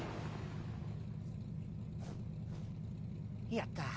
やった！